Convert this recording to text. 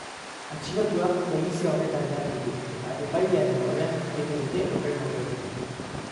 Atxilotuak polizi aurrekariak ditu eta epailearen aurrean jarriko dute hurrengo orduetan.